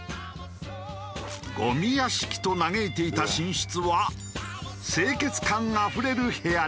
ゴミ屋敷と嘆いていた寝室は清潔感あふれる部屋に。